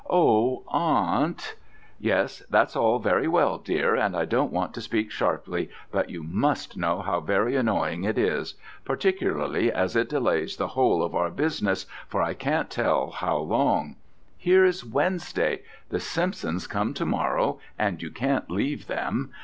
"Oh, aunt " "Yes, that's all very well, dear, and I don't want to speak sharply, but you must know how very annoying it is: particularly as it delays the whole of our business for I can't tell how long: here is Wednesday the Simpsons come to morrow, and you can't leave them.